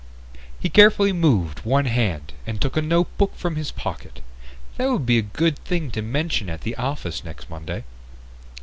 He carefully moved one hand and took a notebook from his pocket. That would be a good thing to mention at the office next Monday.